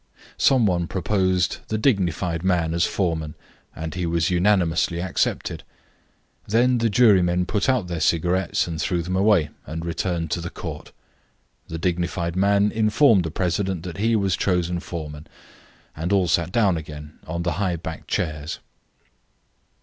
Some one proposed the dignified man as foreman, and he was unanimously accepted. Then the jurymen put out their cigarettes and threw them away and returned to the court. The dignified man informed the president that he was chosen foreman, and all sat down again on the high backed chairs.